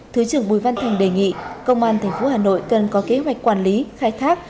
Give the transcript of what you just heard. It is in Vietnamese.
thứ trưởng bùi văn thành đề nghị công an tp hà nội cần có kế hoạch quản lý khai thác